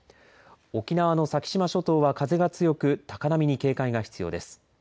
沖縄の先島諸島は風が強く高波に警戒が必要です。